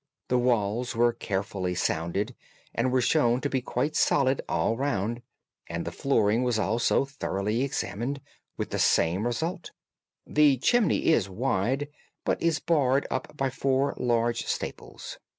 The walls were carefully sounded, and were shown to be quite solid all round, and the flooring was also thoroughly examined, with the same result. The chimney is wide, but is barred up by four large staples.